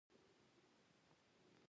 دریم مطلب : د نظام پیژندنه